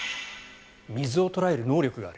水を捉える能力がある。